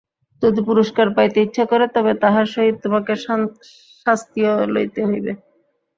যদি পুরস্কার পাইতে ইচ্ছা কর, তবে তাহার সহিত তোমাকে শাস্তিও লইতে হইবে।